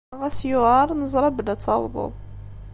Ɣas yuɛeṛ, neẓṛa belli ad tawḍeḍ.